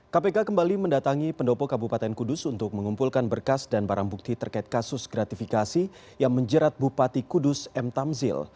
kpk kembali mendatangi pendopo kabupaten kudus untuk mengumpulkan berkas dan barang bukti terkait kasus gratifikasi yang menjerat bupati kudus m tamzil